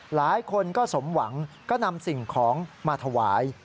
หลายคนก็สมหวังก็นำสิ่งของมาถวาย